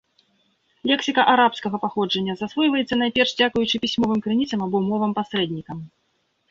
Лексіка арабскага паходжання засвойваецца найперш дзякуючы пісьмовым крыніцам або мовам-пасрэднікам.